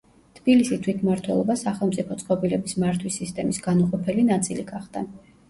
თბილისის თვითმმართველობა სახელმწიფო წყობილების მართვის სისტემის განუყოფელი ნაწილი გახდა.